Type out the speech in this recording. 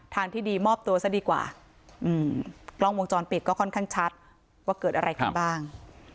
ทางที่ดีมอบตัวซะดีกว่ากล้องวงจรปิดก็ค่อนข้างชัดว่าเกิดอะไรขึ้นบ้าง